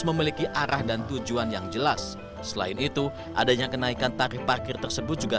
memiliki arah dan tujuan yang jelas selain itu adanya kenaikan tarif parkir tersebut juga